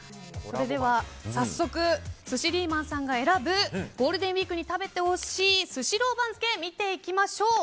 早速、寿司リーマンさんが選ぶゴールデンウィークに食べてほしいスシロー番付見ていきましょう。